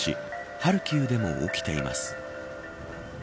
ハルキウでも起きています。